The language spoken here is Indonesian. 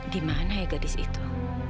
di mana ya gadis itu